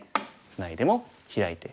ツナいでもヒラいて。